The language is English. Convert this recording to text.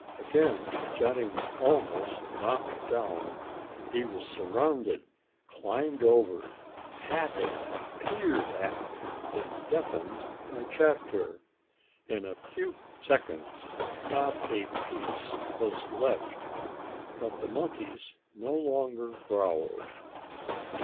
Again Johnny was almost knocked down. He was surrounded, climbed over, patted, peered at, and deafened by chatter. In a few seconds not a piece was left. But the monkeys no longer growled.